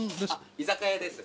居酒屋です。